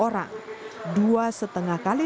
orang dua setengah kali